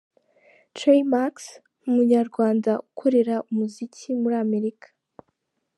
Trey Max; umunyarwanda ukorera muzika muri Amerika.